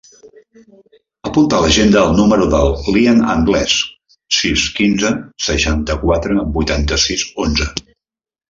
Apunta a l'agenda el número del Lian Angles: sis, quinze, seixanta-quatre, vuitanta-sis, onze.